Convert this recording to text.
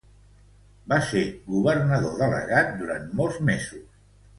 Va ser governador delegat durant molts mesos.